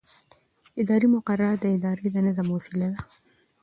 اداري مقررات د ادارې د نظم وسیله ده.